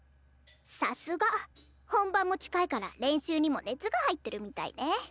さすが本番も近いから練習にも熱が入ってるみたいね。